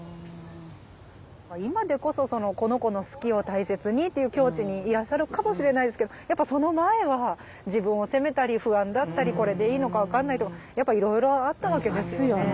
今でこそこの子の好きを大切にっていう境地にいらっしゃるかもしれないですけどやっぱその前は自分を責めたり不安だったりこれでいいのか分かんないとかやっぱいろいろあったわけですよね。